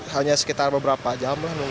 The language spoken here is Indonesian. hanya sekitar beberapa jam